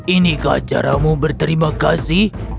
inikah caramu berterima kasih